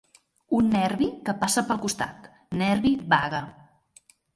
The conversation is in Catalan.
Un nervi que passa pel costat, nervi vague.